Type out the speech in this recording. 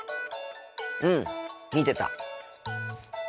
うん見てた。